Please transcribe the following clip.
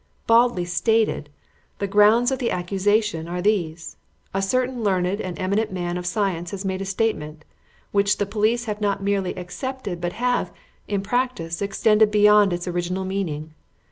Baldly stated, the grounds of the accusation are these: A certain learned and eminent man of science has made a statement, which the police have not merely accepted but have, in practice, extended beyond its original meaning.